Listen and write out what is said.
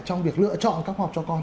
trong việc lựa chọn các hoạt cho con